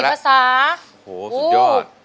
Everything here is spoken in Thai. โหสุดยอด